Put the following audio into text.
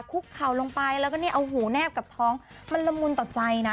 คุกเข่าลงไปแล้วก็เนี่ยเอาหูแนบกับท้องมันละมุนต่อใจนะ